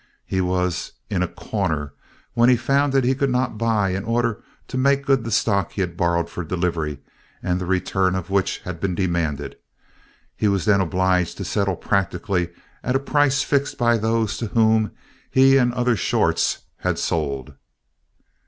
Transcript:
He was in a "corner" when he found that he could not buy in order to make good the stock he had borrowed for delivery and the return of which had been demanded. He was then obliged to settle practically at a price fixed by those to whom he and other "shorts" had sold.